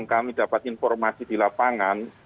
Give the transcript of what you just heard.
kami dapat informasi di lapangan